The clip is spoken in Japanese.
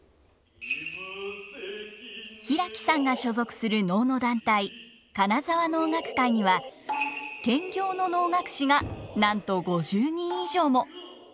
平木さんが所属する能の団体金沢能楽会には兼業の能楽師がなんと５０人以上も。